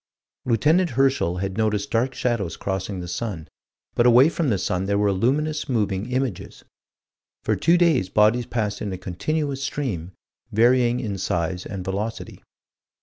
Lieut. Herschel had noticed dark shadows crossing the sun but away from the sun there were luminous, moving images. For two days bodies passed in a continuous stream, varying in size and velocity.